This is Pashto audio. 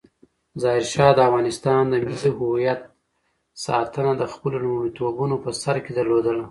ظاهرشاه د افغانستان د ملي هویت ساتنه د خپلو لومړیتوبونو په سر کې درلودله.